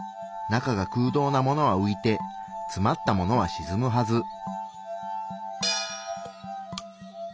中が空洞なものはういてつまったものはしずむはず。